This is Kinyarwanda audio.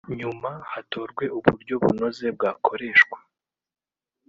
nyuma hatorwe uburyo bunoze bwakoreshwa